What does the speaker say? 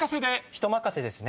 人任せですね？